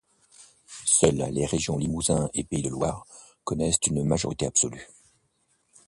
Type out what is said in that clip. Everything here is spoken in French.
Seules les régions Limousin et Pays de Loire connaissent une majorité absolue.